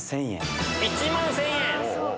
１万１０００円。